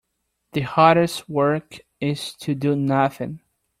The hardest work is to do nothing.